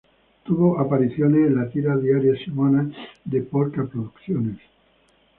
Tuvo apariciones en la tira diaria "Simona", de Pol-ka Producciones.